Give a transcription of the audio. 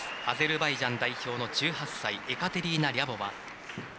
アゼルバイジャン代表の１８歳エカテリーナ・リャボワ。